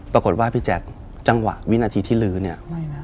ปรากฏว่าพี่แจ๊คจังหวะวินาทีที่ลื้อเนี่ย